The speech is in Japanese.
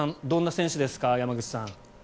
どんな選手ですか山口さん。